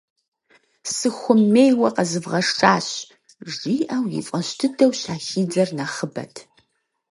Сыхуэмейуэ къэзывгъэшащ! - жиӏэу, и фӏэщ дыдэу щахидзэр нэхъыбэт.